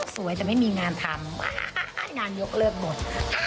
สวยแต่ไม่มีงานทำงานยกเลิกหมด